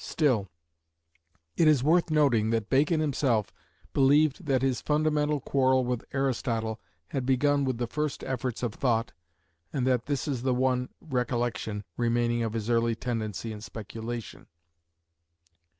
Still, it is worth noting that Bacon himself believed that his fundamental quarrel with Aristotle had begun with the first efforts of thought, and that this is the one recollection remaining of his early tendency in speculation.